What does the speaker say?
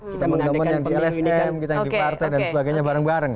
kita mengandalkan yang di lstm kita yang di partai dan sebagainya bareng bareng